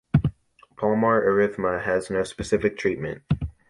Palmar erythema has no specific treatment.